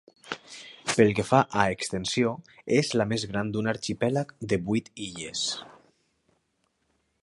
Pel que fa a extensió, és la més gran d'un arxipèlag de vuit illes.